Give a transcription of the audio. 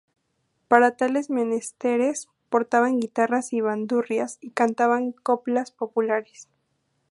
Para tales menesteres portaban guitarras y bandurrias, y cantaban coplas populares.